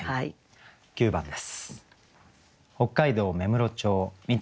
９番です。